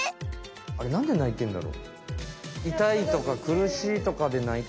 あれなんで泣いてんだろ？